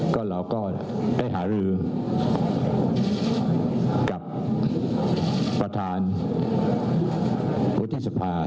ก็เราก็ได้หารือกับประธานวุฒิสภา